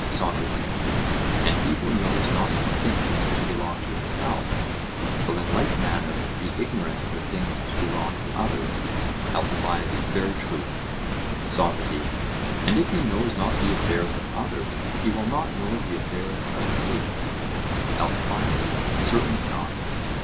SOCRATES: And he who knows not the things which belong to himself, will in like manner be ignorant of the things which belong to others? ALCIBIADES: Very true. SOCRATES: And if he knows not the affairs of others, he will not know the affairs of states? ALCIBIADES: Certainly not.